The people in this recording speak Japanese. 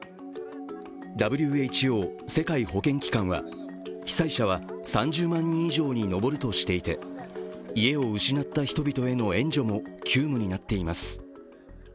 ＷＨＯ＝世界保健機関は被災者は３０万人以上にのぼるとしていて、家を失った人々への援助も急務になっています